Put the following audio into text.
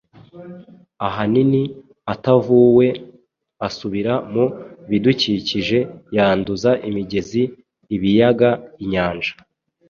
ahanini atavuwe-asubira mu bidukikije, yanduza imigezi, ibiyaga, inyanja.